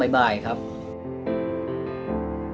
ถ้าขายดีก็ดูประมาณเที่ยงบ่ายครับ